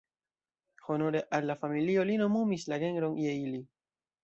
Honore al la familio, li nomumis la genron je ili.